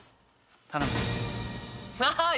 頼む。